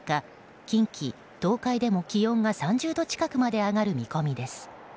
近畿・東海でも気温が３０度近くまで上がる見込みです。